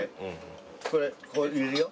これこう入れるよ。